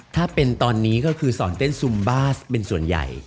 ถ้าเป็นตอนนี้ก็คือสอนเต้นซุมบาสเป็นส่วนใหญ่